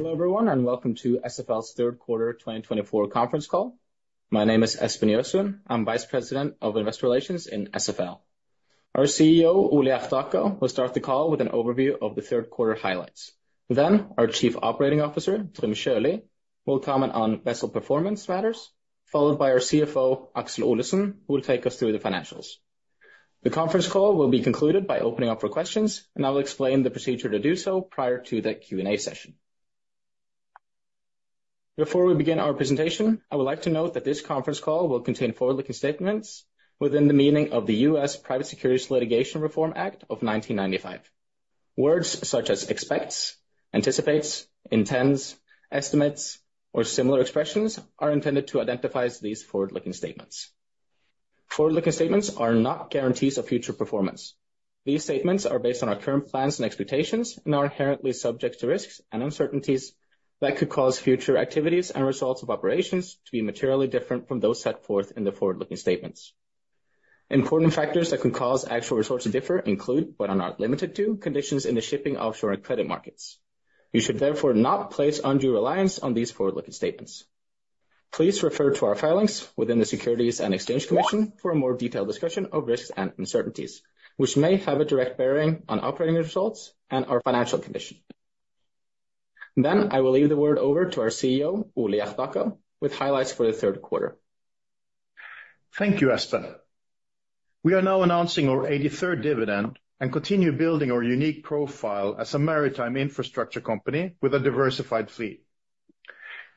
Hello everyone, and welcome to SFL's Third Quarter 2024 conference call. My name is Espen Gjøsund. I'm Vice President of Investor Relations in SFL. Our CEO, Ole Hjertaker, will start the call with an overview of the third quarter highlights. Then, our Chief Operating Officer, Trym Sjølie, will comment on vessel performance matters, followed by our CFO, Aksel Olesen, who will take us through the financials. The conference call will be concluded by opening up for questions, and I will explain the procedure to do so prior to the Q&A session. Before we begin our presentation, I would like to note that this conference call will contain forward-looking statements within the meaning of the U.S. Private Securities Litigation Reform Act of 1995. Words such as expects, anticipates, intends, estimates, or similar expressions are intended to identify these forward-looking statements. Forward-looking statements are not guarantees of future performance. These statements are based on our current plans and expectations and are inherently subject to risks and uncertainties that could cause future activities and results of operations to be materially different from those set forth in the forward-looking statements. Important factors that could cause actual results to differ include but are not limited to conditions in the shipping, offshore, and credit markets. You should therefore not place undue reliance on these forward-looking statements. Please refer to our filings with the Securities and Exchange Commission for a more detailed discussion of risks and uncertainties, which may have a direct bearing on operating results and our financial condition. Then, I will hand the word over to our CEO, Ole Hjertaker, with highlights for the third quarter. Thank you, Espen. We are now announcing our 83rd dividend and continue building our unique profile as a maritime infrastructure company with a diversified fleet.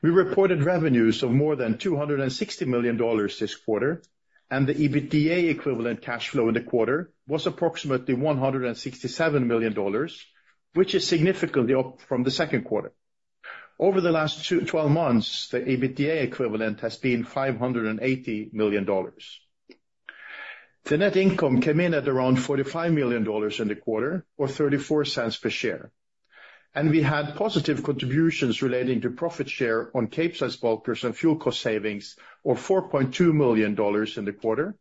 We reported revenues of more than $260 million this quarter, and the EBITDA equivalent cash flow in the quarter was approximately $167 million, which is significantly up from the second quarter. Over the last 12 months, the EBITDA equivalent has been $580 million. The net income came in at around $45 million in the quarter, or $0.34 per share. And we had positive contributions relating to profit share on Capesize bulkers and fuel cost savings, or $4.2 million in the quarter,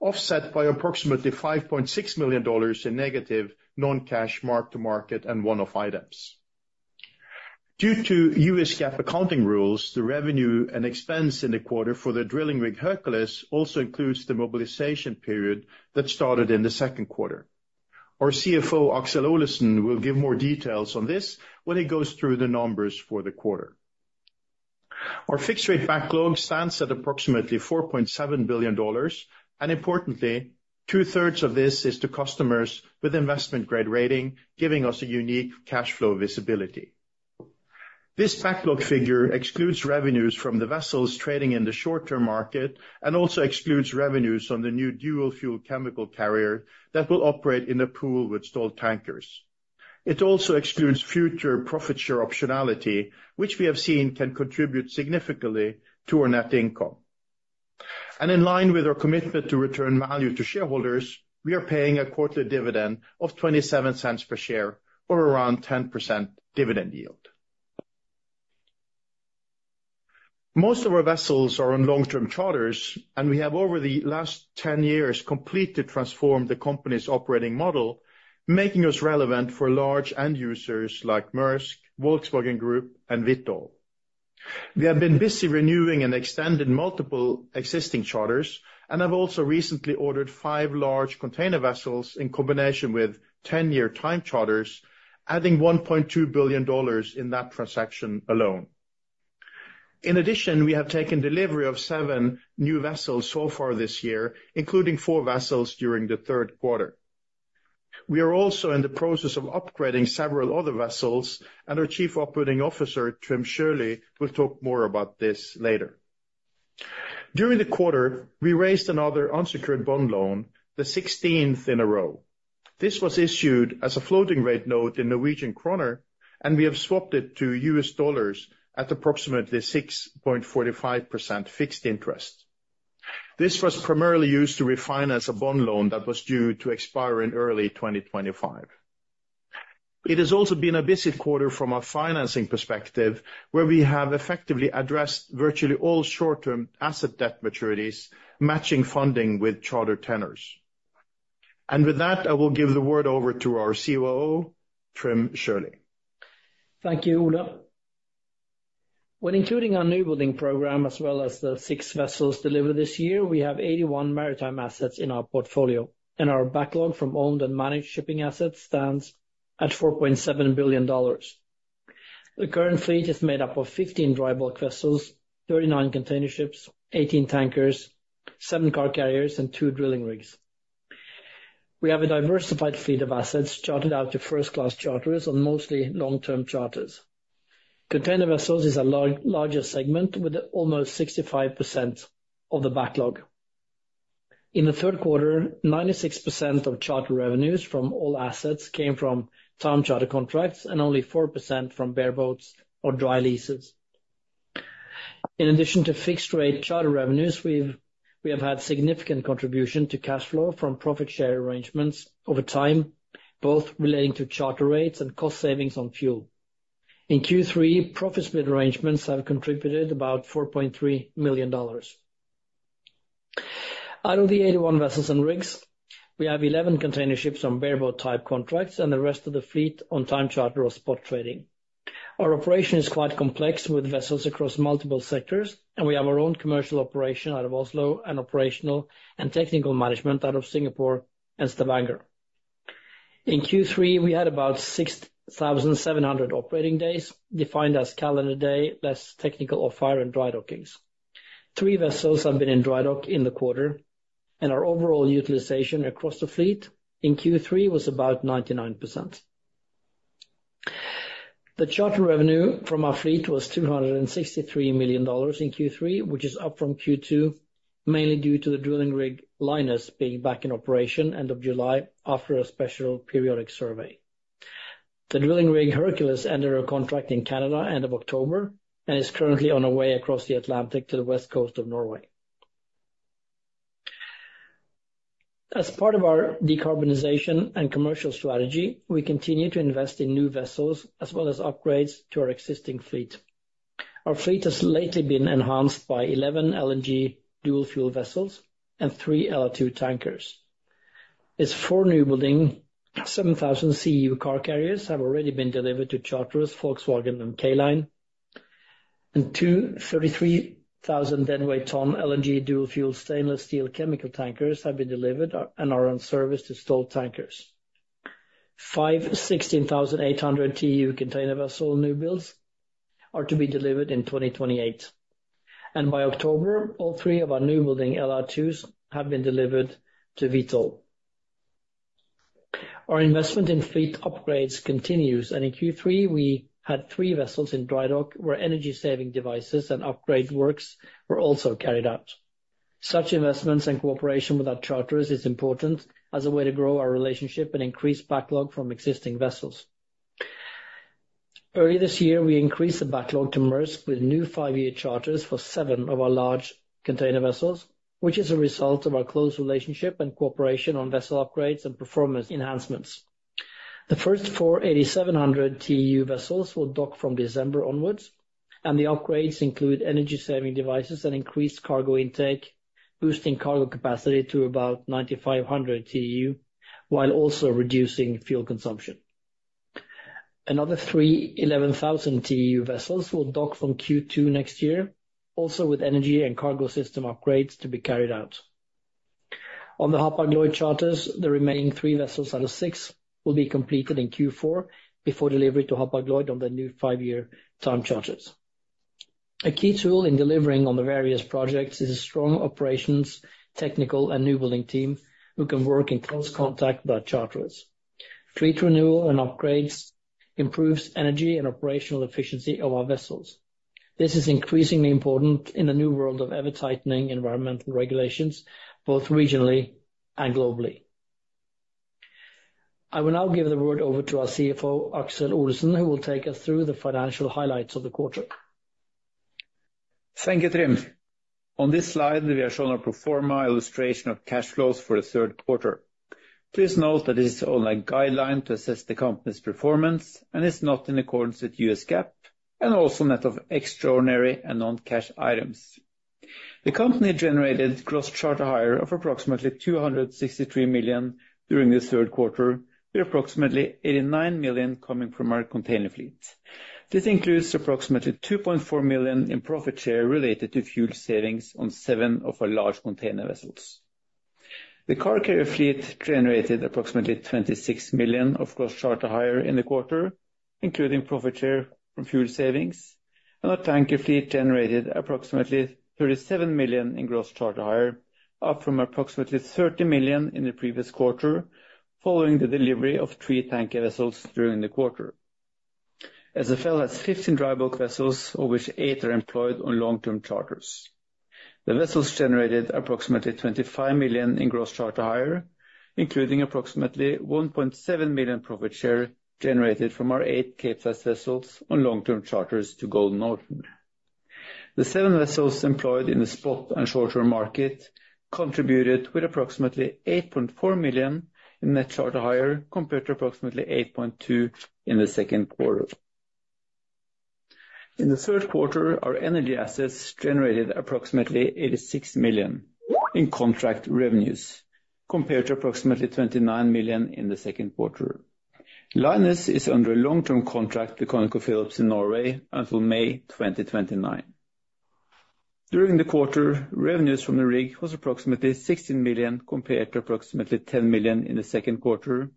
offset by approximately $5.6 million in negative non-cash mark-to-market and one-off items. Due to U.S. GAAP accounting rules, the revenue and expense in the quarter for the drilling rig Hercules also includes the mobilization period that started in the second quarter. Our CFO, Aksel Olesen, will give more details on this when he goes through the numbers for the quarter. Our fixed-rate backlog stands at approximately $4.7 billion, and importantly, two-thirds of this is to customers with investment-grade rating, giving us a unique cash flow visibility. This backlog figure excludes revenues from the vessels trading in the short-term market and also excludes revenues on the new dual-fuel chemical carrier that will operate in a pool with Stolt Tankers. It also excludes future profit share optionality, which we have seen can contribute significantly to our net income. In line with our commitment to return value to shareholders, we are paying a quarterly dividend of $0.27 per share, or around 10% dividend yield. Most of our vessels are on long-term charters, and we have over the last 10 years completely transformed the company's operating model, making us relevant for large end users like Maersk, Volkswagen Group, and Vitol. We have been busy renewing and extending multiple existing charters and have also recently ordered five large container vessels in combination with 10-year time charters, adding $1.2 billion in that transaction alone. In addition, we have taken delivery of seven new vessels so far this year, including four vessels during the third quarter. We are also in the process of upgrading several other vessels, and our Chief Operating Officer, Trym Sjølie, will talk more about this later. During the quarter, we raised another unsecured bond loan, the 16th in a row. This was issued as a floating-rate note in Norwegian kroner, and we have swapped it to U.S. dollars at approximately 6.45% fixed interest. This was primarily used to refinance a bond loan that was due to expire in early 2025. It has also been a busy quarter from a financing perspective, where we have effectively addressed virtually all short-term asset debt maturities, matching funding with charter tenors. And with that, I will give the word over to our COO, Trym Sjølie. Thank you, Ole. When including our new building program as well as the six vessels delivered this year, we have 81 maritime assets in our portfolio, and our backlog from owned and managed shipping assets stands at $4.7 billion. The current fleet is made up of 15 dry bulk vessels, 39 container ships, 18 tankers, seven car carriers, and two drilling rigs. We have a diversified fleet of assets chartered out to first-class charters and mostly long-term charters. Container vessels is a larger segment with almost 65% of the backlog. In the third quarter, 96% of charter revenues from all assets came from term charter contracts and only 4% from bareboats or dry leases. In addition to fixed-rate charter revenues, we have had significant contribution to cash flow from profit share arrangements over time, both relating to charter rates and cost savings on fuel. In Q3, profit split arrangements have contributed about $4.3 million. Out of the 81 vessels and rigs, we have 11 container ships on bareboat-type contracts, and the rest of the fleet on time charter or spot trading. Our operation is quite complex with vessels across multiple sectors, and we have our own commercial operation out of Oslo and operational and technical management out of Singapore and Stavanger. In Q3, we had about 6,700 operating days, defined as calendar day, less technical or off-hire and dry dockings. Three vessels have been in dry dock in the quarter, and our overall utilization across the fleet in Q3 was about 99%. The charter revenue from our fleet was $263 million in Q3, which is up from Q2, mainly due to the drilling rig Linus being back in operation end of July after a special periodic survey. The drilling rig Hercules ended her contract in Canada end of October and is currently on her way across the Atlantic to the west coast of Norway. As part of our decarbonization and commercial strategy, we continue to invest in new vessels as well as upgrades to our existing fleet. Our fleet has lately been enhanced by 11 LNG dual-fuel vessels and three LR2 tankers. Our four newbuildings, 7,000 CEU car carriers have already been delivered to charterers, Volkswagen and K Line, and two 33,000 deadweight tonne LNG dual-fuel stainless steel chemical tankers have been delivered and are in service to Stolt Tankers. Five 16,800 TEU container vessel new builds are to be delivered in 2028 and by October, all three of our newbuildings LR2s have been delivered to Vitol. Our investment in fleet upgrades continues, and in Q3, we had three vessels in dry dock where energy-saving devices and upgrade works were also carried out. Such investments and cooperation with our charters is important as a way to grow our relationship and increase backlog from existing vessels. Earlier this year, we increased the backlog to Maersk with new five-year charters for seven of our large container vessels, which is a result of our close relationship and cooperation on vessel upgrades and performance enhancements. The first four 8,700 TEU vessels will dock from December onwards, and the upgrades include energy-saving devices and increased cargo intake, boosting cargo capacity to about 9,500 TEU, while also reducing fuel consumption. Another three 11,000 TEU vessels will dock from Q2 next year, also with energy and cargo system upgrades to be carried out. On the Hapag-Lloyd charters, the remaining three vessels out of six will be completed in Q4 before delivery to Hapag-Lloyd on the new five-year time charters. A key tool in delivering on the various projects is a strong operations, technical, and newbuilding team who can work in close contact with our charterers. Fleet renewal and upgrades improves energy and operational efficiency of our vessels. This is increasingly important in the new world of ever-tightening environmental regulations, both regionally and globally. I will now give the word over to our CFO, Aksel Olesen, who will take us through the financial highlights of the quarter. Thank you, Trym. On this slide, we are shown a pro forma illustration of cash flows for the third quarter. Please note that this is only a guideline to assess the company's performance and is not in accordance with U.S. GAAP and also net of extraordinary and non-cash items. The company generated gross charter hire of approximately $263 million during the third quarter, with approximately $89 million coming from our container fleet. This includes approximately $2.4 million in profit share related to fuel savings on seven of our large container vessels. The car carrier fleet generated approximately $26 million of gross charter hire in the quarter, including profit share from fuel savings, and our tanker fleet generated approximately $37 million in gross charter hire, up from approximately $30 million in the previous quarter, following the delivery of three tanker vessels during the quarter. SFL has 15 dry bulk vessels, of which eight are employed on long-term charters. The vessels generated approximately $25 million in gross charter hire, including approximately $1.7 million profit share generated from our eight Capesize vessels on long-term charters to Golden Ocean. The seven vessels employed in the spot and short-term market contributed with approximately $8.4 million in net charter hire compared to approximately $8.2 million in the second quarter. In the third quarter, our energy assets generated approximately $86 million in contract revenues compared to approximately $29 million in the second quarter. Linus is under a long-term contract with ConocoPhillips in Norway until May 2029. During the quarter, revenues from the rig was approximately $16 million compared to approximately $10 million in the second quarter,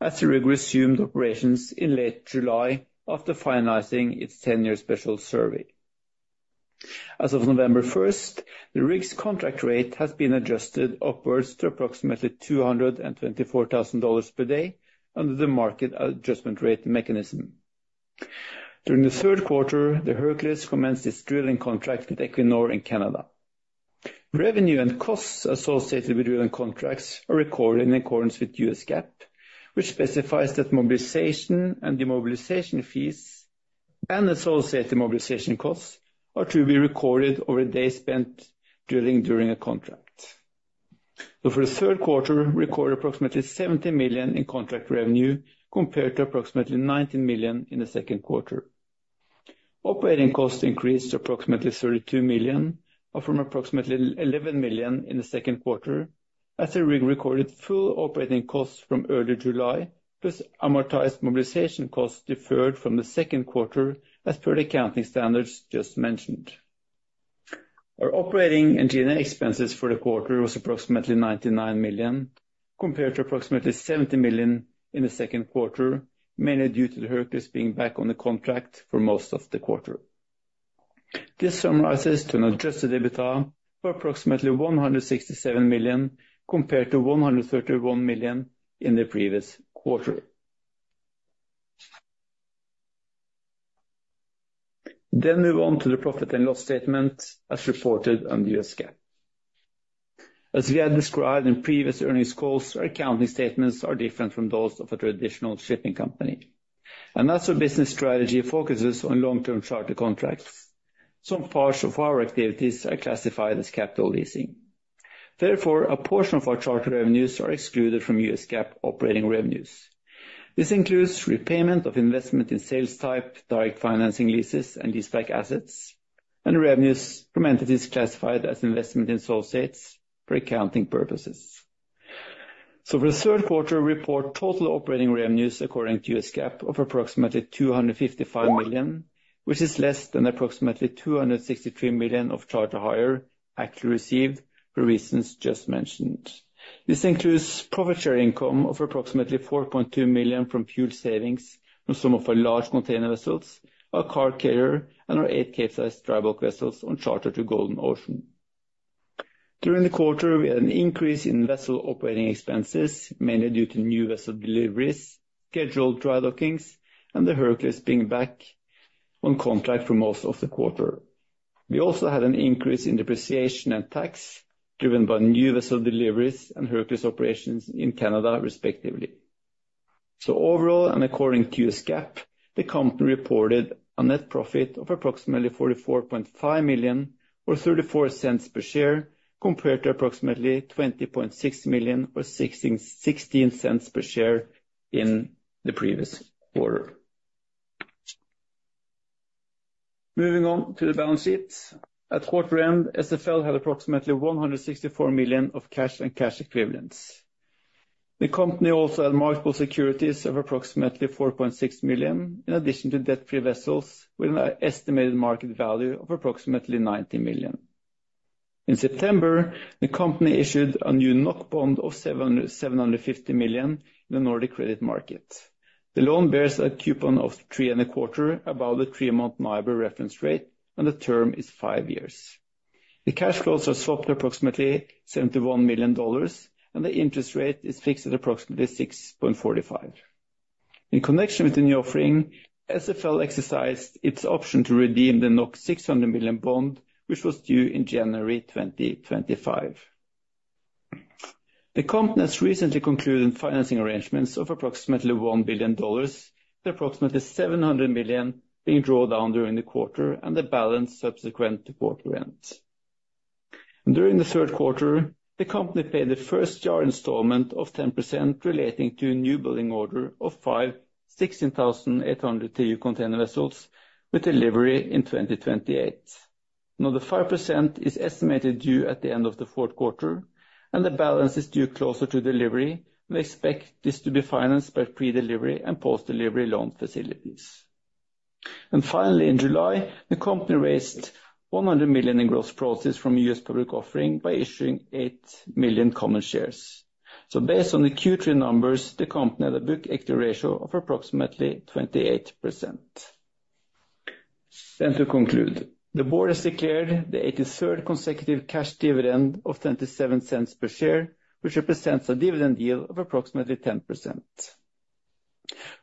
as the rig resumed operations in late July after finalizing its 10-year special survey. As of November 1st, the rig's contract rate has been adjusted upwards to approximately $224,000 per day under the market adjustment rate mechanism. During the third quarter, the Hercules commenced its drilling contract with Equinor in Canada. Revenue and costs associated with drilling contracts are recorded in accordance with U.S. GAAP, which specifies that mobilization and demobilization fees and associated mobilization costs are to be recorded over the days spent drilling during a contract, so for the third quarter, we recorded approximately $70 million in contract revenue compared to approximately $19 million in the second quarter. Operating costs increased to approximately $32 million, up from approximately $11 million in the second quarter, as the rig recorded full operating costs from early July, plus amortized mobilization costs deferred from the second quarter, as per the accounting standards just mentioned. Our operating and G&A expenses for the quarter was approximately $99 million compared to approximately $70 million in the second quarter, mainly due to the Hercules being back on the contract for most of the quarter. This summarizes to an adjusted EBITDA of approximately $167 million compared to $131 million in the previous quarter, then move on to the profit and loss statement as reported on U.S. GAAP. As we had described in previous earnings calls, our accounting statements are different from those of a traditional shipping company, and as our business strategy focuses on long-term charter contracts, some parts of our activities are classified as capital leasing. Therefore, a portion of our charter revenues are excluded from U.S. GAAP operating revenues. This includes repayment of investment in sales-type direct financing leases and leaseback assets, and revenues from entities classified as investment in associates for accounting purposes. For the third quarter report, total operating revenues according to U.S. GAAP of approximately $255 million, which is less than approximately $263 million of charter hire actually received for reasons just mentioned. This includes profit share income of approximately $4.2 million from fuel savings from some of our large container vessels, our car carrier, and our eight Capesize dry bulk vessels on charter to Golden Ocean. During the quarter, we had an increase in vessel operating expenses, mainly due to new vessel deliveries, scheduled dry dockings, and the Hercules being back on contract for most of the quarter. We also had an increase in depreciation and tax driven by new vessel deliveries and Hercules operations in Canada, respectively. So overall, and according to U.S. GAAP, the company reported a net profit of approximately $44.5 million or $0.34 per share compared to approximately $20.6 million or $0.16 per share in the previous quarter. Moving on to the balance sheet, at quarter end, SFL had approximately $164 million of cash and cash equivalents. The company also had marketable securities of approximately $4.6 million, in addition to debt-free vessels, with an estimated market value of approximately $90 million. In September, the company issued a new NOK bond of $750 million in the Nordic credit market. The loan bears a coupon of 3.25% above the three-month NIBOR reference rate, and the term is five years. The cash flows are swapped to approximately $71 million, and the interest rate is fixed at approximately 6.45%. In connection with the new offering, SFL exercised its option to redeem the 600 million bond, which was due in January 2025. The company has recently concluded financing arrangements of approximately $1 billion, with approximately $700 million being drawn down during the quarter and the balance subsequent to quarter end. During the third quarter, the company paid the first-year installment of 10% relating to a new building order of five 16,800 TEU container vessels with delivery in 2028. Another 5% is estimated due at the end of the fourth quarter, and the balance is due closer to delivery. We expect this to be financed by pre-delivery and post-delivery loan facilities. And finally, in July, the company raised $100 million in gross proceeds from U.S. public offering by issuing 8 million common shares. So based on the Q3 numbers, the company had a book equity ratio of approximately 28%. To conclude, the board has declared the 83rd consecutive cash dividend of $0.27 per share, which represents a dividend yield of approximately 10%.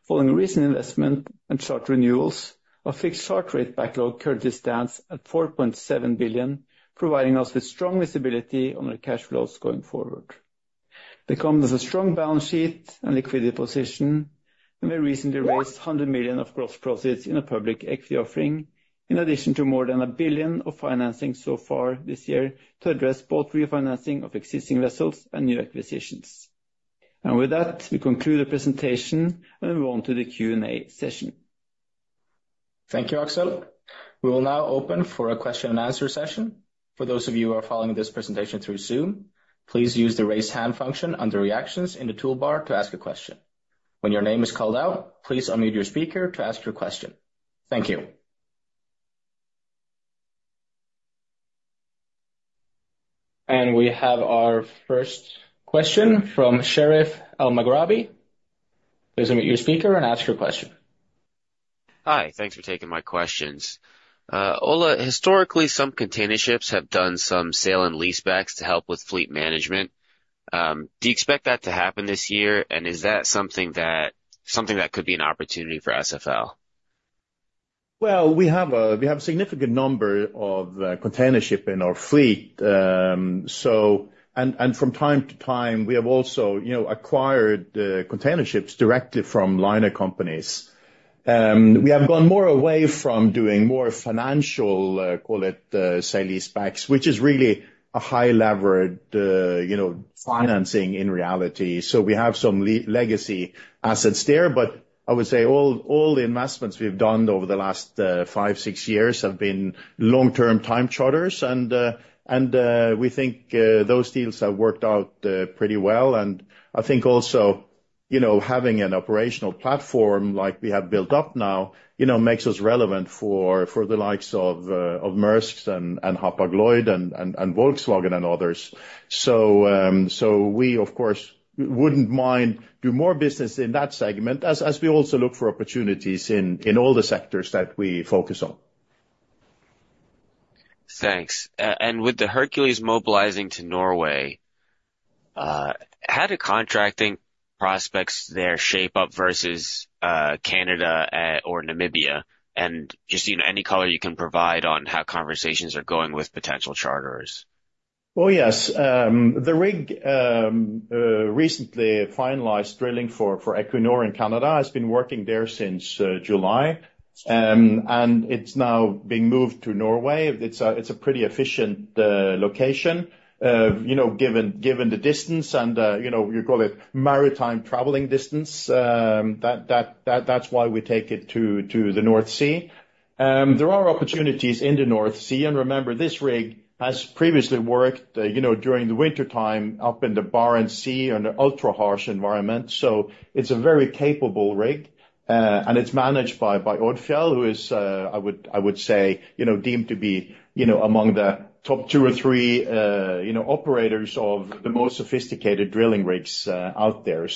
Following recent investment and charter renewals, our fixed charter rate backlog currently stands at $4.7 billion, providing us with strong visibility on our cash flows going forward. The company has a strong balance sheet and liquidity position, and we recently raised $100 million of gross proceeds in a public equity offering, in addition to more than $1 billion of financing so far this year to address both refinancing of existing vessels and new acquisitions. With that, we conclude the presentation and move on to the Q&A session. Thank you, Aksel. We will now open for a question and answer session. For those of you who are following this presentation through Zoom, please use the raise hand function under reactions in the toolbar to ask a question. When your name is called out, please unmute your speaker to ask your question. Thank you. And we have our first question from Sherif Elmaghrabi. Please unmute your speaker and ask your question. Hi, thanks for taking my questions. Ole, historically, some container ships have done some sale and leasebacks to help with fleet management. Do you expect that to happen this year, and is that something that could be an opportunity for SFL? We have a significant number of container ships in our fleet. From time to time, we have also acquired container ships directly from liner companies. We have gone more away from doing more financial, call it sale leasebacks, which is really a high-levered financing in reality. We have some legacy assets there, but I would say all the investments we've done over the last five, six years have been long-term time charters, and we think those deals have worked out pretty well. I think also having an operational platform like we have built up now makes us relevant for the likes of Maersk and Hapag-Lloyd and Volkswagen and others. We, of course, wouldn't mind doing more business in that segment, as we also look for opportunities in all the sectors that we focus on. Thanks. And with the Hercules mobilizing to Norway, how do contracting prospects there shape up versus Canada or Namibia? And just any color you can provide on how conversations are going with potential charterers. Yes. The rig recently finalized drilling for Equinor in Canada. It's been working there since July, and it's now being moved to Norway. It's a pretty inefficient location given the distance and, you call it, maritime traveling distance. That's why we take it to the North Sea. There are opportunities in the North Sea, and remember, this rig has previously worked during the wintertime up in the Barents Sea under ultra-harsh environments. It's a very capable rig, and it's managed by Odfjell, who is, I would say, deemed to be among the top two or three operators of the most sophisticated drilling rigs out there.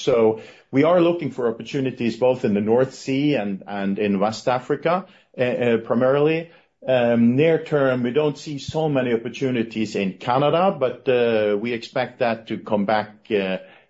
We are looking for opportunities both in the North Sea and in West Africa, primarily. Near term, we don't see so many opportunities in Canada, but we expect that to come back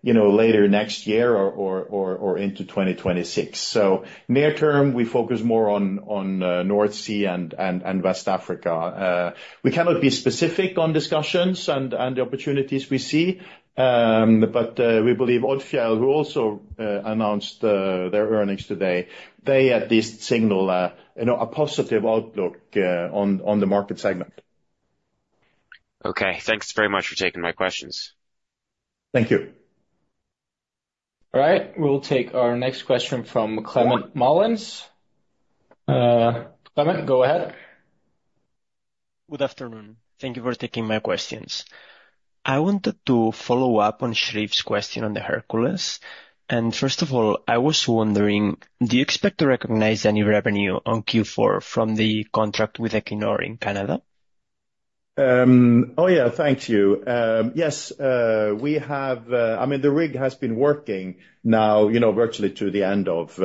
later next year or into 2026. So near term, we focus more on North Sea and West Africa. We cannot be specific on discussions and the opportunities we see, but we believe Odfjell, who also announced their earnings today, they at least signal a positive outlook on the market segment. Okay. Thanks very much for taking my questions. Thank you. All right. We'll take our next question from Clement Molin. Clement, go ahead. Good afternoon. Thank you for taking my questions. I wanted to follow up on Sherif's question on the Hercules, and first of all, I was wondering, do you expect to recognize any revenue on Q4 from the contract with Equinor in Canada? Oh, yeah. Thank you. Yes. I mean, the rig has been working now virtually to the end of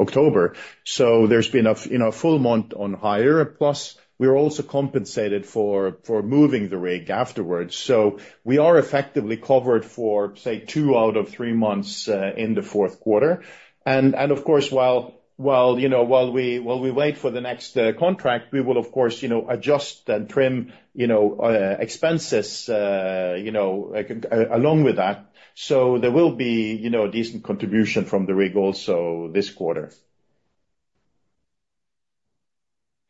October. So there's been a full month on hire, plus we're also compensated for moving the rig afterwards. So we are effectively covered for, say, two out of three months in the fourth quarter. And of course, while we wait for the next contract, we will, of course, adjust and trim expenses along with that. So there will be a decent contribution from the rig also this quarter.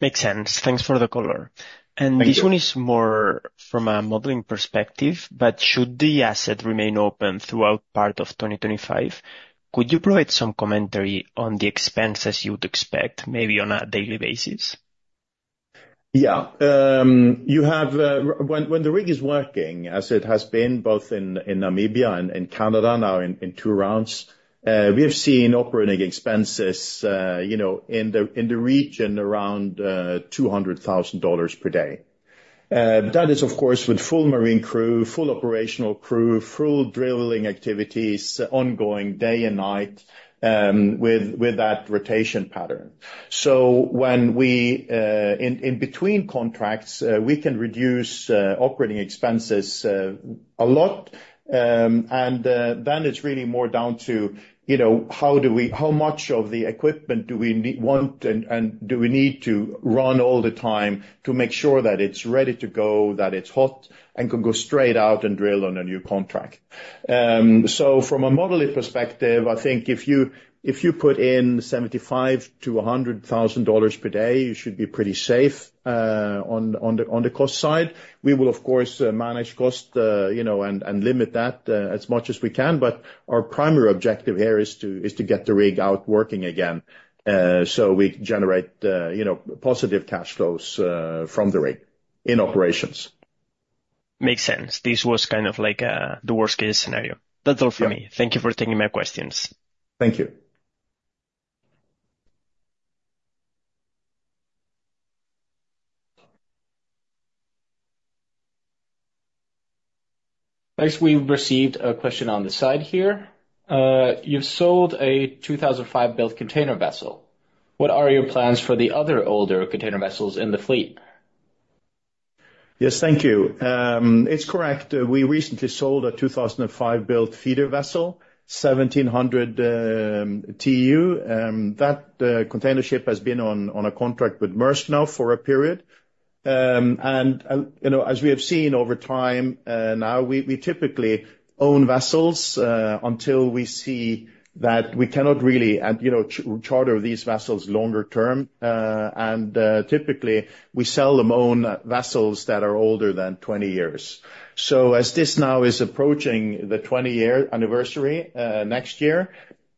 Makes sense. Thanks for the color. And this one is more from a modeling perspective, but should the asset remain open throughout part of 2025, could you provide some commentary on the expenses you would expect, maybe on a daily basis? Yeah. When the rig is working, as it has been both in Namibia and Canada now in two rounds, we have seen operating expenses in the region around $200,000 per day. That is, of course, with full marine crew, full operational crew, full drilling activities ongoing day and night with that rotation pattern, so in between contracts, we can reduce operating expenses a lot, and then it's really more down to how much of the equipment do we want and do we need to run all the time to make sure that it's ready to go, that it's hot, and can go straight out and drill on a new contract, so from a modeling perspective, I think if you put in $75,000-$100,000 per day, you should be pretty safe on the cost side. We will, of course, manage cost and limit that as much as we can, but our primary objective here is to get the rig out working again so we generate positive cash flows from the rig in operations. Makes sense. This was kind of like the worst-case scenario. That's all from me. Thank you for taking my questions. Thank you. Thanks. We've received a question on the side here. You've sold a 2005-built container vessel. What are your plans for the other older container vessels in the fleet? Yes, thank you. It's correct. We recently sold a 2005-built feeder vessel, 1,700 TEU. That container ship has been on a contract with Maersk now for a period. And as we have seen over time now, we typically own vessels until we see that we cannot really charter these vessels longer term. And typically, we sell them, own vessels that are older than 20 years. So as this now is approaching the 20-year anniversary next year,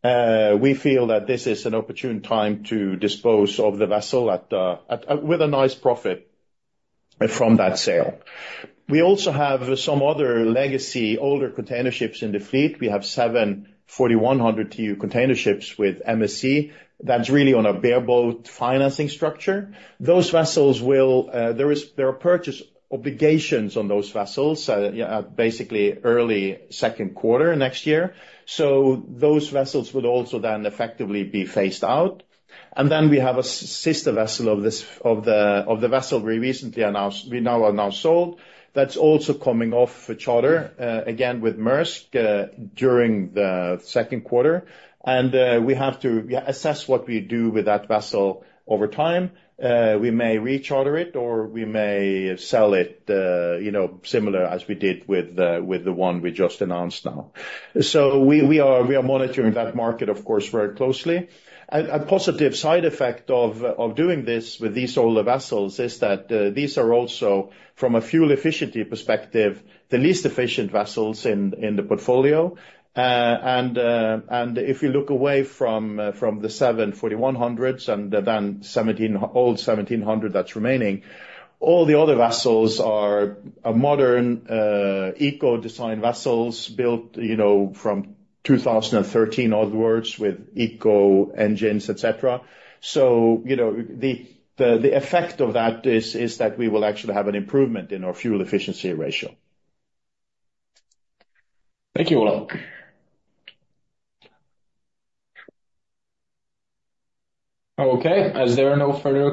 we feel that this is an opportune time to dispose of the vessel with a nice profit from that sale. We also have some other legacy older container ships in the fleet. We have seven 4,100 TEU container ships with MSC. That's really on a bareboat financing structure. There are purchase obligations on those vessels basically early second quarter next year. So those vessels would also then effectively be phased out. And then we have a sister vessel of the vessel we recently announced we have now sold. That's also coming off charter again with Maersk during the second quarter. And we have to assess what we do with that vessel over time. We may re-charter it, or we may sell it similar as we did with the one we just announced now. So we are monitoring that market, of course, very closely. A positive side effect of doing this with these older vessels is that these are also, from a fuel efficiency perspective, the least efficient vessels in the portfolio. If you look away from the seven 4,100s and then old 1700 that's remaining, all the other vessels are modern eco-design vessels built from 2013 onwards with eco engines, etc. The effect of that is that we will actually have an improvement in our fuel efficiency ratio. Thank you, Ole. Okay. Is there no further?